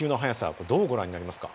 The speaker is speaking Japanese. これどうご覧になりますか？